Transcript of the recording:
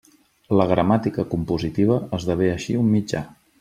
La gramàtica compositiva esdevé així un mitjà.